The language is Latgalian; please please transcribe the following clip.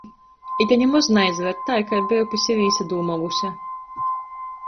Ite nimoz naizaver tai, kai beju pi seve īsadūmuojuse...